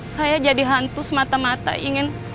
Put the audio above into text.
saya jadi hantu semata mata ingin